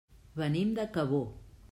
Venim de Cabó.